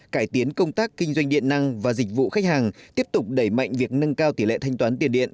cải tiến công tác kinh doanh điện năng và dịch vụ khách hàng tiếp tục đẩy mạnh việc nâng cao tỷ lệ thanh toán tiền điện